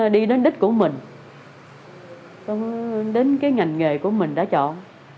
đi đến đích của mình đến cái ngành nghề của mình đã chọn